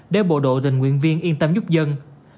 để bộ đội tình nguyện viên yên tâm giúp dân